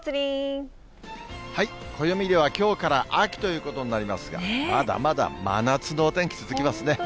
暦では、きょうから秋ということになりますが、まだまだ真夏のお天気続きますね。